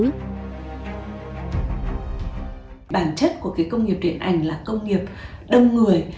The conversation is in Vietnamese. bản chất của cái công nghiệp điện ảnh là công nghiệp đông người